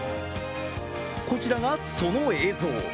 こちらがその映像。